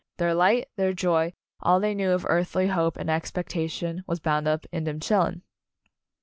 Their light, their joy, all they knew of earthly hope and expectation was bound up in "dem chil lun."